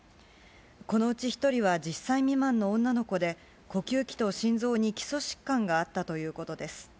このうち１人は１０歳未満の女の子で、呼吸器と心臓に基礎疾患があったということです。